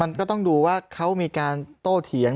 มันก็ต้องดูว่าเขามีการโต้เถียง